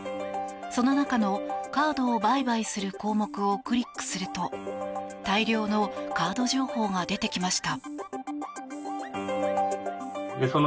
その中のカードを売買する項目をクリックすると大量のカード情報が出てきました。